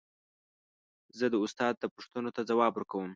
زه د استاد پوښتنو ته ځواب ورکوم.